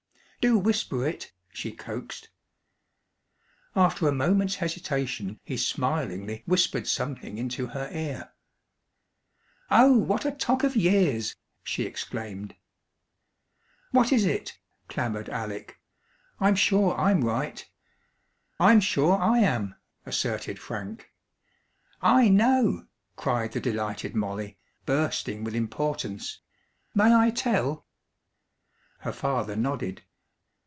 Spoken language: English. "Do whisper it," she coaxed. After a moment's hesitation he smilingly whispered something into her ear. "Oh, what a 'tock of years!" she exclaimed. "What is it?" clamoured Alec. "I'm sure I'm right." "I'm sure I am!" asserted Frank. "I know!" cried the delighted Molly, bursting with importance. "May I tell?" Her father nodded.